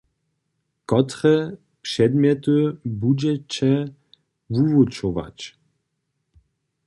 Kotre předmjety budźeće wuwučować?